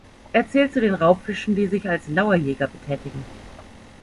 Er zählt zu den Raubfischen, die sich als Lauerjäger betätigen.